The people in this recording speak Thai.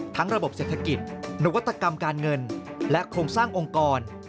ระบบเศรษฐกิจนวัตกรรมการเงินและโครงสร้างองค์กร